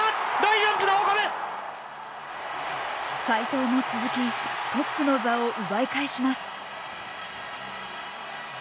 斎藤も続きトップの座を奪い返します。